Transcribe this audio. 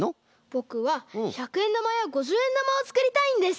ぼくはひゃくえんだまやごじゅうえんだまをつくりたいんです！